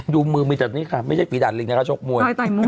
ดูมือเขามีตัวนี้ค่ะไม่ใช่ปีดัลลินค่ะชกมวย